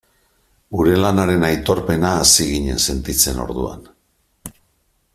Gure lanaren aitorpena hasi ginen sentitzen orduan.